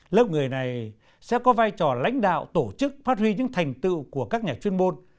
lớp người này sẽ có vai trò lãnh đạo tổ chức phát huy những thành tựu của các nhà chuyên môn